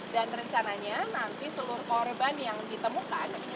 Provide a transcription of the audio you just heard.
rencananya nanti seluruh korban yang ditemukan